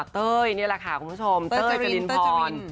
เต้ยนี่แหละค่ะคุณผู้ชมเต้ยจรินพร